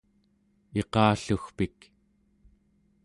iqallugpik